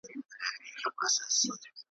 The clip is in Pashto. ماته مه راښیه لاري تر ساحل پوری د تللو `